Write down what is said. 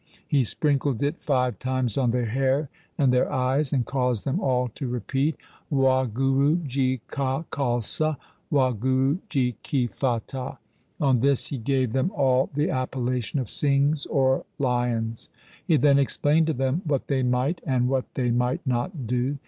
He sprinkled it five times on their hair, and their eyes, and caused them all to repeat ' Wahguru ji ka Khalsa, Wahguru ji ki Fatah.' On this he gave them all the appellation of Singhs or lions. He then explained to them what they might and what they might not do.